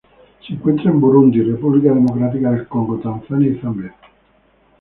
Se encuentra en Burundi, República Democrática del Congo, Tanzania y Zambia.